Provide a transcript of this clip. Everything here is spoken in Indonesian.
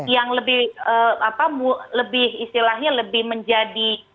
yang lebih apa lebih istilahnya lebih menjadi